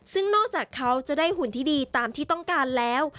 ซึ่งนอกจากเขาจะได้หุ่นที่ดีตามที่ต้องการแล้ว